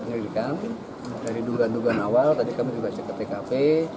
penyelidikan dari dugaan dugaan awal tadi kami juga cek ke tkp